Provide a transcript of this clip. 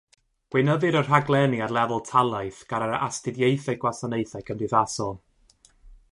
Gweinyddir y rhaglenni ar lefel talaith gan yr Asiantaethau Gwasanaethau Cymdeithasol.